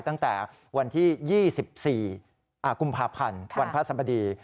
ตั้งแต่วันที่๒๔กุมภาพันธ์วันพระสัมบดี